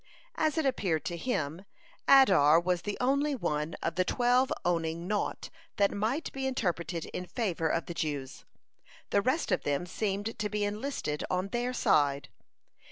As it appeared to him, Adar was the only one of the twelve owning naught that might be interpreted in favor of the Jews. The rest of them seemed to be enlisted on their side.